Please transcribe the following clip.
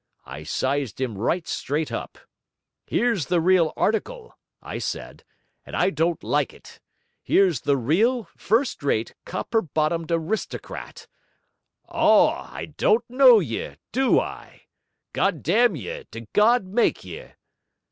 I sized him right straight up. Here's the real article, I said, and I don't like it; here's the real, first rate, copper bottomed aristocrat. 'AW' I DON'T KNOW YE, DO I? GOD DAMN YE, DID GOD MAKE YE?'